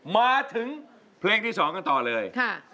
มาถึงเพลงที่๒กันต่อเลย